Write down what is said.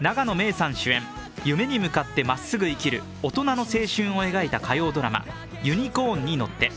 永野芽郁さん主演、夢に向かってまっすぐ生きる大人の青春を描いた火曜ドラマ「ユニコーンに乗って」。